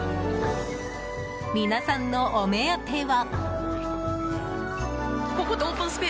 皆さんのお目当ては。